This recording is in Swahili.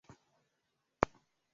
Ua limezungua nyumba yao